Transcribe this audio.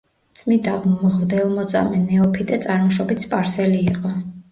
წმიდა მღვდელმოწამე ნეოფიტე წარმოშობით სპარსელი იყო.